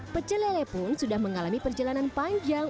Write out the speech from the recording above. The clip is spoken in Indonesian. pecelele pun sudah mengalami perjalanan panjang